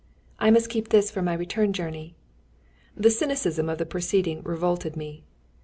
"I must keep this for my return journey." The cynicism of the proceeding revolted me.